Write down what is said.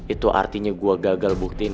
itu artinya saya gagal buktikan